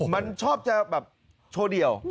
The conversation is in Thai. มันชอบจะแบบโชว์เดี่ยว